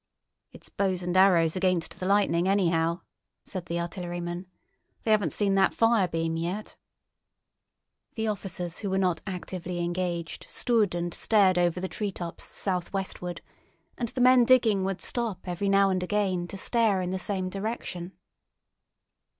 "It's bows and arrows against the lightning, anyhow," said the artilleryman. "They 'aven't seen that fire beam yet." The officers who were not actively engaged stood and stared over the treetops southwestward, and the men digging would stop every now and again to stare in the same direction.